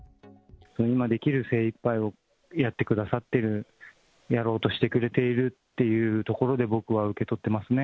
今できる精いっぱいをやってくださっている、やろうとしてくれているっていうところで、僕は受け取ってますね。